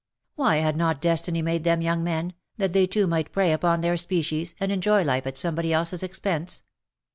Why had not Destiny made them young men, that they too might prey upon their species, and enjoy life at somebody else's expense?